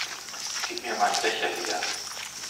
Gib mir meinen Becher wieder!